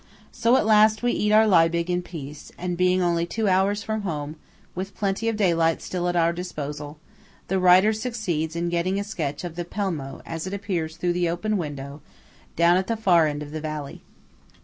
So at last we eat our Liebig in peace, and, being only two hours from home, with plenty of daylight still at our disposal, the writer succeeds in getting a sketch of the Pelmo as it appears through the open window, down at the far end of the valley.